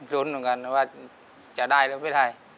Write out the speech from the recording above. ลุ้นเหมือนกันว่าจะได้หรือไม่ได้